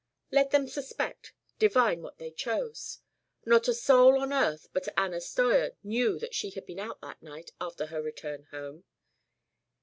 Let them suspect, divine what they chose. Not a soul on earth but Anna Steuer knew that she had been out that night after her return home.